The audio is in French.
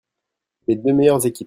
Les deux meilleures équipes.